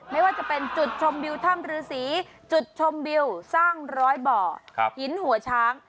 ไม่ว่าจะเป็นจุดชมบิวท่ามฤษีจุดชมบิวสร้างร้อยเบาะหินหัวช้าง